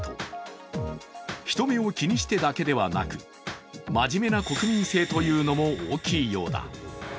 人目を気にしてだけではなく、真面目な国民性というのも大きいようだ。